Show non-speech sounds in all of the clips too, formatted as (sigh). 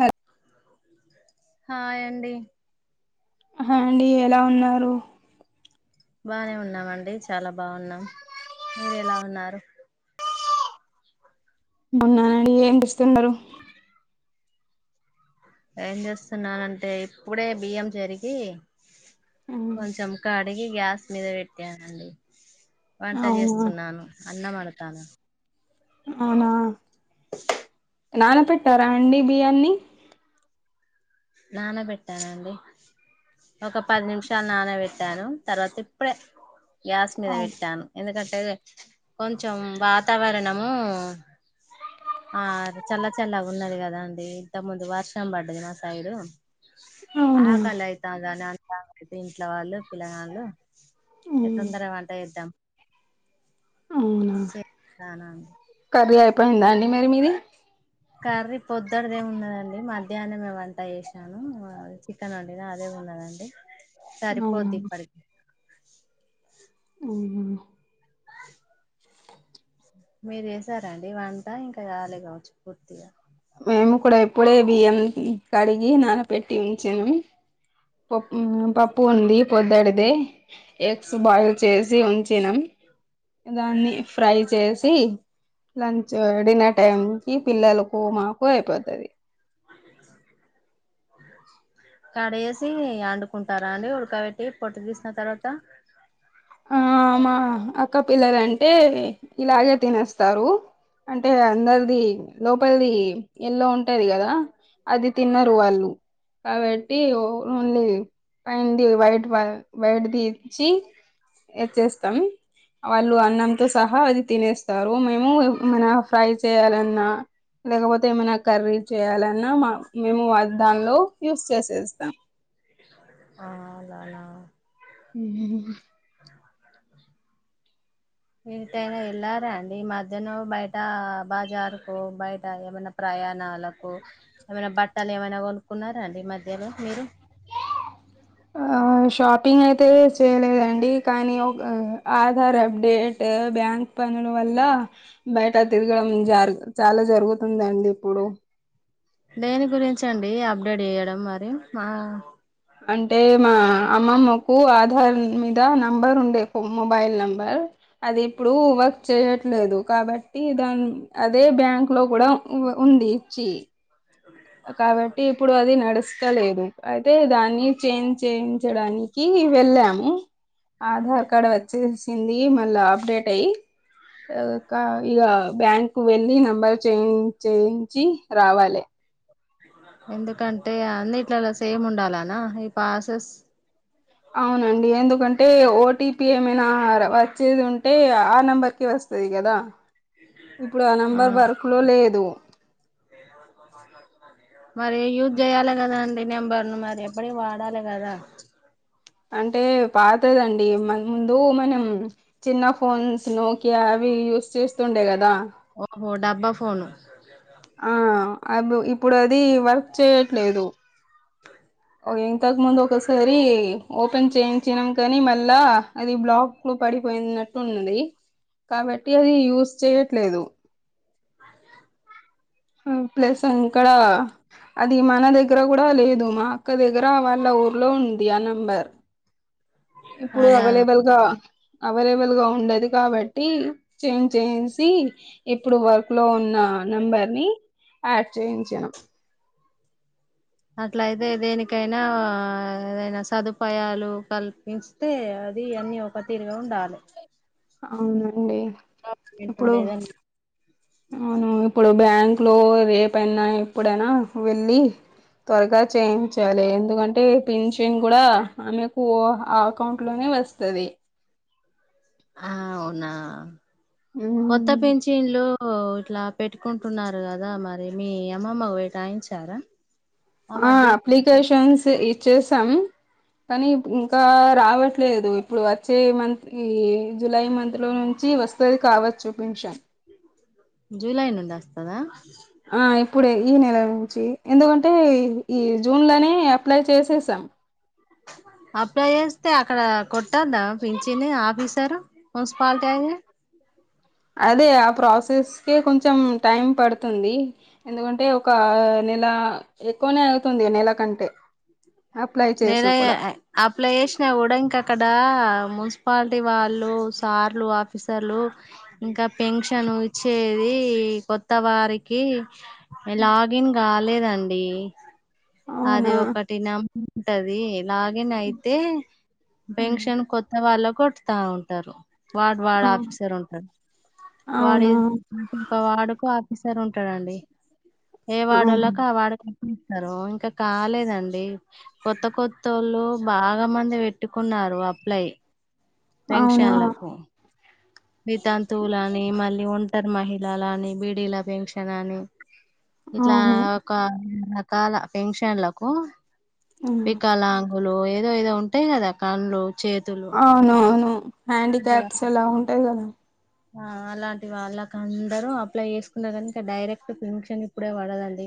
Hello హాయండి హాయండి ఎలా ఉన్నారు బానే ఉన్నామండి చాలా బావున్నాం మీరెలా ఉన్నారు అవున అండి ఏం చేస్తున్నారు ఏం చేస్తున్నానంటే ఇప్పుడే బియ్యం చెరిగి హ్మ్. కొంచెం కడిగి గ్యాస్ మీద పెట్టానండి వంట అవునా చేస్తున్నాను అన్నం అడతానా అవునా నానపెట్టారా అండి బియ్యాన్ని నానబెట్టానండి ఒక పది నిమిషాల్ నానబెట్టాను తర్వాత ఇప్పుడే గ్యాస్ మీద అవు పెట్టాను ఎందుకంటే కొంచెం వాతావరణము ఆ చల్ల చల్లగా ఉన్నది కదా అండి ఇంత ముందు వర్షం పడ్డది నాస్ తైరు అవునా ఆకలయితా దానంత దీంట్లో వాళ్ళు పిల్లగాండ్లు ఎ హ్మ్. తొందరగా వంట చేద్దాం అవునా చేస్తానండి కర్రీ అయిపోయిందా అండి మిరి మీది కర్రీ పొద్దడితే ఉన్నదండి మధ్యానమే వంట చేసినాను చికెన్ వండిన అదే ఉన్నదండి పోప్ సరిపోద్దిప్పటికి మ్మ్ మీరు వేశార అండి వంట ఇంకా కాలే కావచ్చు పూర్తిగా మేము కూడా ఇప్పుడే బియ్యం కడిగి నానపెట్టి ఉంచాం పో పప్పు ఉంది పొద్దటిదే ఎగ్స్ బాయిల్ చేసి ఉంచినాం దాన్ని ఫ్రై చేసి లంచు డిన్నర్ టైం కి పిల్లలు కో మాకు అయిపోద్దది కడేసి అండుకుంటారా అండి ఉడకబెట్టి పొట్టు తీసిన తర్వాత ఆ మా అక్క పిల్లలంటే ఇలాగే తినేస్తారు అంటే అందరిది లోపలిది ఎల్లో ఉంటాది గదా అది తిన్నారు వాళ్ళు కాబట్టి ఓన్లీ పైంది వైట్ వాల్ బయటదిచ్చి ఇచ్చేస్తాం వాళ్ళు అన్నంతో సహా అది తినేస్తారు మేము మన ఫ్రై చేయాలన్నా లేకపోతే ఏమైనా కర్రీ చేయాలన్నా మా మేము ఆ దానిలో యూస్ చేసేస్తాం ఆ అలానా మ్మ్ ఇ టైమ్ వెళ్ళారా అండి ఈ మధ్యన బయట బజార్ కు బయట ఏమైన ప్రయాణాలకు కు ఏమైనా బట్టలు ఏమైనా కొనుక్కున్నారా అండి మధ్యలో మీరు (inaudible) షాపింగ్ అయితే చేయలేదండి కానీ ఆధార్ అప్డేట్ బ్యాంక్ పనుల వల్ల బయట తిరగడం చాలా జరుగుతుందండి ఇప్పుడు దేని గురించి అండి అప్డేట్ చేయడం మరి మా అంటే మా అమ్మమ్మకు ఆధార్ మీద నంబర్ ఉండే మొబైల్ నెంబర్ అది ఇప్పుడు వర్క్ చేయట్లేదు కాబట్టి దాని అదే బ్యాంక్ లో కూడా ఉంది ఇచ్చి కాబట్టి ఇప్పుడు అది నడుస్త లేదు అయితే దాన్ని చేంజ్ చేయించడానికి వెళ్ళాము ఆధార్ కార్డ్ వచ్చేసింది మళ్ళా అప్డేట్ అయ్యి కా ఇగ బ్యాంక్ వెళ్ళి నంబర్ చేంజ్ చేయించి రావాలి ఎందుకంటే అన్నిట్లలా సేమ్ ఉండాలానా ఈ ప్రాసెస్ అవునండి ఎందుకంటే ఓటీపీ ఏమైనా వచ్చేది ఉంటే ఆ నెంబర్కి వస్త వస్తది కదా ఇప్పుడు ఆ నెంబర్ వర్క్ లో లేదు మరి యూజ్ చేయాలి కదా అండి నెంబర్ ను మరి అప్పుడు నే వాడాలి కదా అంటే పాతదండి ముందు మనం చిన్న ఫోన్స్ నోకియా అవి యూస్ చేస్తుండే కదా ఓహో డబ్బా ఫోను ఆ అ ఇప్పుడు అది వర్క్ చేయట్లేదు అ ఓ ఇంతకు ముందు ఒకసారి ఓపెన్ చేయించినాం కానీ మళ్ళా అది బ్లాక్ లో పడిపోయినట్టు ఉన్నది కాబట్టి అది యూజ్ చేయట్లేదు అ ప్లస్ అంకడా అది మన దగ్గర కూడా లేదు మా అక్క దగ్గర వాళ్ళ ఊర్లో ఉంది ఆ నెంబర్ ఇప్పుడు అలా అవైలబుల్ గా అవైలబుల్ గా ఉండదు కాబట్టి చేంజ్ చేసి ఇప్పుడు వర్క్ లో ఉ నా నంబర్ ని యాడ్ చేయించాను అట్లయితే దేనికైనా ఏదైనా సదుపాయాలు కల్పి అే అది అన్ని ఒక తీరుగా ఉండాలి అవునండి గవర్నమెంట్ ఇప్పుడు ఏదన్నా అవును ఇప్పుడు బ్యాంక్ లో రేపయినా ఎప్పుడైనా వెళ్లి త్వరగా చేయించాలి ఎందుకంటే పిన్చిన్ కూడా ఆమెకు ఆ అకౌంట్ లోనే వస్త వస్తది ఆ అవునా హు కొత్త పెంచిన్లు ఇట్లా పెట్టుకుంటున్నారు కదా మరి మీ అమ్మమ్మ వటాయించారా ఆ అప్లికేషన్స్ ఇచ్చేసాం కానీ ఇంకా రావట్లేదు ఇప్పుడు వచ్చే మంత్ ఈ జులై మంత్ లో నుంచి వస్త వస్తాది కావచ్చు పిన్షన్ జూలై నుండి వస్తదా ఆ ఇప్పుడే ఈ నెల నుంచి ఎందుకంటే ఈ జూన్ లోనే అప్లై చేసేసాం అప్లై చేస్తే అక్కడ కొట్టద్దా పంచిని ఆఫీసర్ మున్సిపిటీయయి అదే ఆ ప్రాసెస్ కే కొంచెం టైం పడుతుంది ఎందుకంటే ఒక నెల ఎక్కువనే అగుతుంది నెల కంటే అప్లై నేర చేసి కూడా అయి అప్లై చేసిన కూడా ఇంకా అక్కడ మున్సిపాలిటీ వాళ్ళు సార్లు ఆఫీసర్లు ఇంకా పెన్షన్ ఇచ్చేది కొత్త వారికి లాగిన్ కాలేదండి అది అవునా ఒకటి నెంబర్ ఉంటది లాగిన్ అయితే ఉమ్. పెన్షన్ కొత్త వాళ్ళ కొట్టతా ఉంటారు వార్డ్ ఆ వార్డ్ ఆఫీసర్ ఉంటారు వాడు అవునా (inaudible) వార్డుకు ఆఫీసర్ ఉంటాడండి ఏ అవును వాడోళ్ళకి ఆ వాడ స్తారు ఇంకా కాలేదండి కొత్త కొత్త వాళ్ళు బాగా మంది పెట్టుకున్నారు అప్లై అవునా పెన్షల్లకో వితాంతువులు అని మళ్ళీ ఒంటరి మహిళలు అని బీడల పెన్షన్ అని ఇట్లా అవును ఒక రకాల ఫిన్ క్షన్లకు హ్మ్. వికాల లు ఏదో ఏదో ఉంటాయి కదా కన్లు చేతులు అవును అవును అలాంటి హ్యాండిక్రాఫ్ట్స్ వాళ్ళు అలా ఉంటాయి కదా ఆ అలాంటి వాళ్ళకి అందరూ అప్లై చేసుకున్నా కానీ ఇంకా డైరెక్ట్ పెన్షన్ ఇప్పుడే పడదండి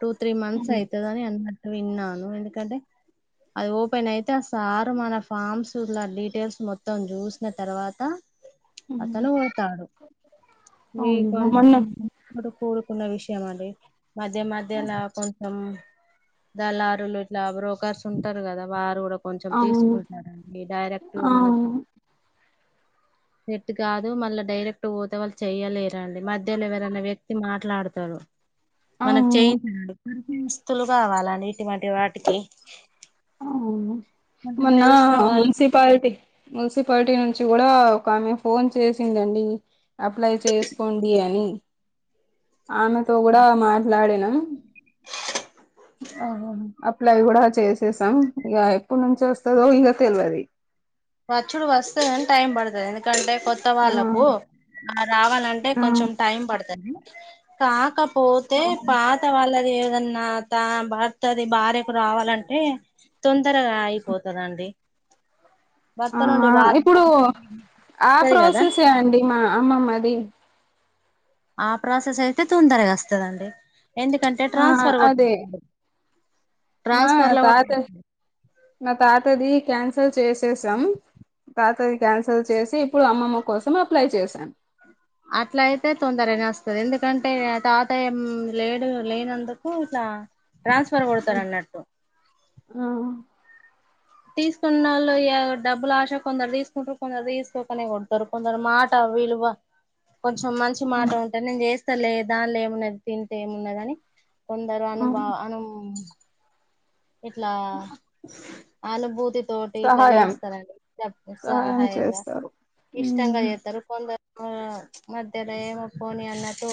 టూ త్రీ మంత్స్ హ్మ్. అవుదని అన్నట్టు విన్నాను ఎందుకంటే అది ఓపెన్ అయితే ఆ సారు మన ఫామ్స్లా డీటెయిల్స్ మొత్తం చూసిన తర్వాత హ్మ్. తను కొడతాడు మీ అవును కొ మొన్న కూరుకున్న విషయం అడి మధ్య మధ్య లాకున్ మ్ దలారులు ఇట్లా బ్రోకర్స్ ఉంటారు కదా వారు కూడా కొంచెం అవును తీసుకుంటారండి డైరెక్ట్ గా మనకు అవును సెట్ కాదు మళ్ళా డైరెక్ట్ పోత వాళ్ళు చెయలేరండి మధ్యలో ఎవరైనా వ్యక్తి మాట్లాడతారు మనకు అవును చేయించండి పస్తులు కావాలండి ఇటువంటి వాటికి ఆ అవును కొంచెం మొన్న తెలిసిన వాళ్ళు మున్సి పాలిటి మున్సిపాలిటీ నుంచి కూడా ఒక ఆమె ఫోన్ చేసిందండి అప్లై చేసుకోండి అని ఆమెతో కూడా మాట్లాడినా అప్లై కూడా చేసేసామ్ ఇగ కొంచెం చేస్తావ్ గా ఇగ తెల్వది పచ్చుడు వస్తేని టైం పడతది ఎందుకంటే కొత్త ఆ వాళ్ళకు రావాలంటే ఆ కొంచెం టైం పడుతుంది కాకపోతే పాత వాళ్ళది ఏదన్నా తా భర్తది భార్యకు రావాలంటే తొందరగా అయిపోతదండి భర్త ఆ నుండి భార్యకు ఇప్పుడు ఆ వస్తది కదా ప్రోసెసే అండి మా అమ్మమ్మది ఆ ప్రాసెస్ అయితే తొందరగా వస్తదండి ఎందుకంటే ఆ ట్రాన్స్ఫర్ అదే కొట్టటి మా ట్రాన్స్ఫర్లా తాత నా తాతది క్యాన్సల్ చేసేసాం తాతది క్యాన్సిల్ చేసి ఇప్పుడు అమ్మమ్మ కోసం అప్లై చేశాను అట్లా అయితే తొందరనే వస్తది ఎందుకంటే తాతాయం లేడు లేనందుకు ఇట్లా ట్రాన్స్ఫర్ కొడతారు అన్నట్టు ఆ తీసుకునోల్లు ఏవ్ డబ్బులు ఆశ కొందరు తీసుకుంటారు కొందరు తీసుకోకనే కొంటారు కొందర మాట విలువ కొంచెం మంచి మాట ఉంటే నేను చేస్తా లే దాంలో ఏమున్నది తింటే ఏమున్న గానీ కొందరు ఆ అనుభ అను ఇట్లా అనుభూతి తోటి ఇట్లా సహాయం చేస్తారండి చె సహాయం సహాయంగా చేస్తారు ఇష్టంగా చేత్తరు కొందరు ఆ మధ్యన ఏమో పోని అన్నట్టు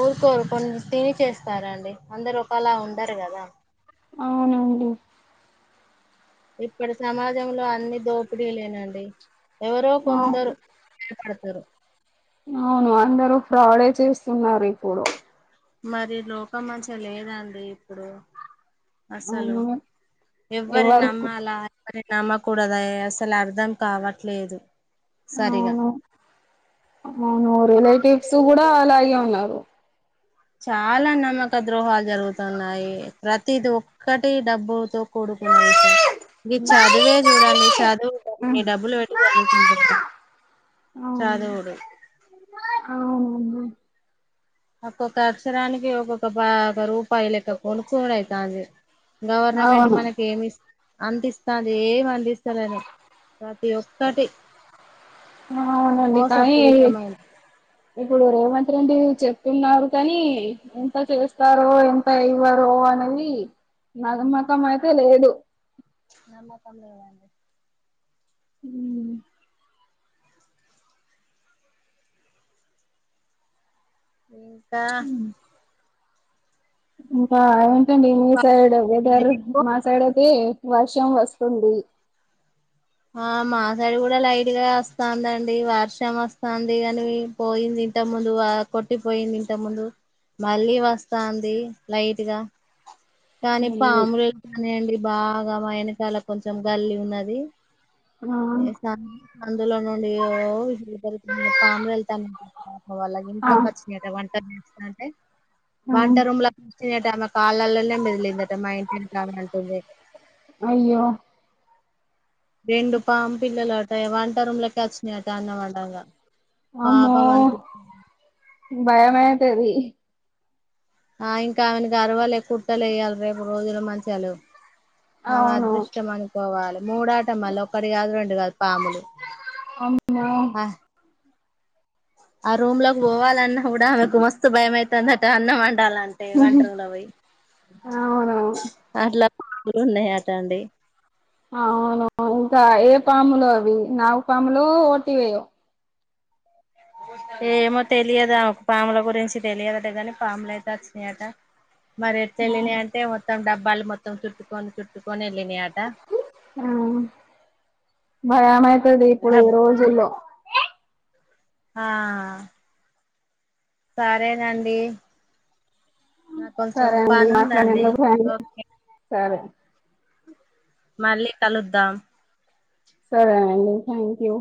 ఊరుకో ఊర్కొని తిని చేస్తారండి అందరు అలా ఉండరు కదా అవునండి ఇప్పుడు సమాజంలో అన్ని దోపిడీలేనండి ఎవరో కొందరు అవును ఏపడతరు అవును అందరూ ఫ్రాడే చేస్తున్నారు ఇప్పుడు మరి లోకం మంచిగ లేదండి ఇప్పుడు అస్సలు అవును ఎవ్వరి ఎవరుకు నమ్మాల మరి నమ్మకూడద అసలు అర్ధం కావట్లేదు సరిగా అవును అవును రిలేటివ్స్ కూడా అలాగే ఉన్నారు చాలా నమ్మక ద్రోహాలు జరుగుతున్నాయి ప్రతిది ఒక్కటి డబ్బుతో కూడుకున్న విషయం గిచ్చా చదువే చూడండి చదువుకోకుని డబ్బులు పెట్టి చదువుకుంటున్నం ఉమ్. చదువుడు అవును ఒక్కొక్క అక్షరానికి ఒక్కొక్క బాగా రూపాయి లెక్క కొనుక్కోని అయితాంది గవర్నమెంట్ అవును మనకి ఏమి అంతఇస్తది ఏమి అందిస్తలేదు ప్రతి ఒక్కటి అవునండి కానీ మోసపూరితమైన ఇప్పుడు రేవంత్ రెండి చెప్తున్నారు కానీ ఎంత చేస్తారో ఎంత ఇవ్వారో అనేది నమ్మకం అయితే లేదు నమ్మకం లేదండి ఉమ్ ఇంకా ఇంకా ఏంటండి మీ సైడ్ వెదర్ మీకు మా సైడ్ అయితే వర్షం వస్తుంది ఆ మా సైడ్ కూడా లైట్గా వస్తోందండి వర్షం వస్తుంది కాని పోయింది ఇంత ముందు ఆ కొట్టిపోయింది ఇంత ముందు మళ్ళీ వస్తాంది లైట్గా కానీ పాములు వత్తున్నాయండి బాగా మా ఎనకాల కొంచెం గల్లి ఉన్నది ఆ ఎసా అందులో నుండి ఓ పరుదుల్లో పాములు ఎళ్తానయ్ వాళ్ళ ఇంత ఆ వచ్చ్ ఎదవంట అంటే ఆ వంట రూమ్ల తినేటామె కాళ్ళలుల్లే మెదిలిందట మా ఇంటి ఎనకామె అంటుంది అయ్యో రెండు పామ్ పిల్లలు అట వంట రూమ్లోకి వచ్చినీయట అన్నం వండగ అమ్మో భయామైతది ఆ ఇంకా ఆమెకి కర్వాలే కుట్టలే ఇయల రేపు రోజులు మంచిగలేవు ఆమె అవును అదృష్టం అనుకోవాలి మూడు అట మళ్ళీ ఒకటి కాదు రెండు కాదు పాములు అమ్మో ఆ ఆ రూమ్లోకి పోవాలన్నా కూడా ఆమెకు మస్తు భయమై తాందట అన్నం వండాలంటే వంట రూమ్లో పోయి అవునవును అట్లా పాములు ఉన్నాయట అండి అవును ఇంకా ఏ పాములు అవి నాగు పాములు ఓటి ఏమో తెలియదా ఒక పాముల గురించి తెలియదట కాని పాములు అయితే వచ్చినాయట మరి ఎట్లా వెళ్ళినాయి అంటే మొత్తం డబ్బాలు మొత్తం చుట్టుకొని చుట్టుకొని వెళ్ళినాయాట ఆ భయమయితది ఇప్పుడు ఈ డబ్ రోజుల్లో ఆ సరేనండి నా కొంచెం సరే అండి పనుందండి మాట్లాడినందుకు థ్యాంక్ ఓకే సరే మళ్ళీ కలుద్దాం సరేఅండి థ్యాంక్ యూ